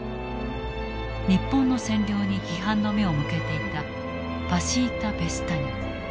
日本の占領に批判の目を向けていたパシータ・ペスタニョ。